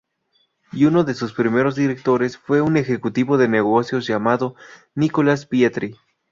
Y uno de sus primeros directores fue un ejecutivo de negocios llamado Nicolas Pietri.